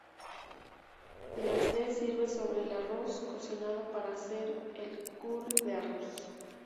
La se sirve sobre el arroz cocinado para hacer el "curry" de arroz.